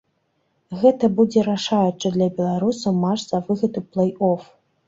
Гэта будзе рашаючы для беларусаў матч за выхад у плэй-оф.